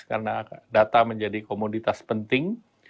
karena data menjadi komoditas penting